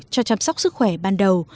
cho chăm sóc sức khỏe ban đầu